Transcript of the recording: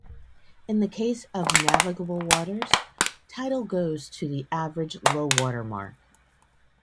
In the case of navigable waters, title goes to the average low water mark.